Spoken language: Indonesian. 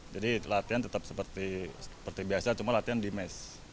jadi latihan tetap seperti biasa cuma latihan di mes